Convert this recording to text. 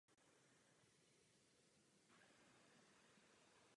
O víkendu je obec stále bez dopravní obsluhy.